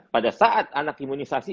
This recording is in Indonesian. pada saat anak imunisasi